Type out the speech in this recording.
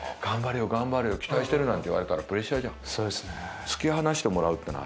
頑張れよ期待してる！なんて言われたらプレッシャーじゃん。